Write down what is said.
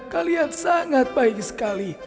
kalian sangat baik sekali